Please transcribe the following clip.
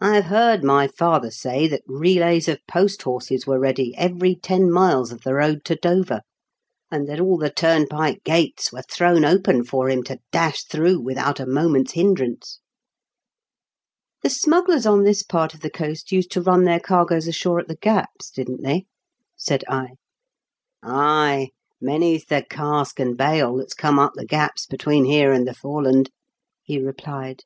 I have heard my father say that relays of post horses were ready every ten miles of the road to Dover, and that all the turnpike gates were thrown open for him to dash through without a moment's hindrance." " The smugglers on this part of the coast used to run their cargoes ashore at the gaps, didn't they ?" said I. Ay, many's the cask and bale that's <jome up the gaps between here and the Fore land," he replied.